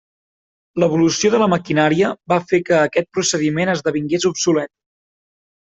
L'evolució de la maquinària va fer que aquest procediment esdevingués obsolet.